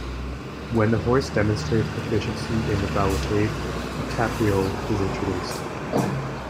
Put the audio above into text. When the horse demonstrates proficiency in the ballotade, the capriole is introduced.